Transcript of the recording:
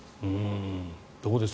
どうです？